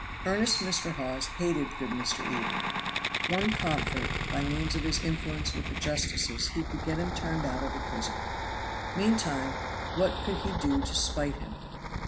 Earnest Mr. Hawes hated good Mr. Eden; one comfort, by means of his influence with the justices he could get him turned out of the prison. Meantime what could he do to spite him?